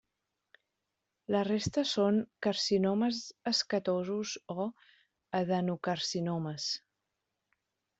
La resta són carcinomes escatosos o adenocarcinomes.